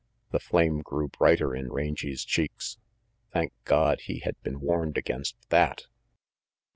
The flame grew brighter in Range's cheeks. Thank God he had been warned against that!